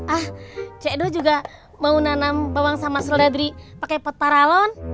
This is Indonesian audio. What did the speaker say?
ah c dua juga mau nanam bawang sama seledri pakai pot paralon